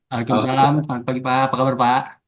waalaikumsalam selamat pagi pak apa kabar pak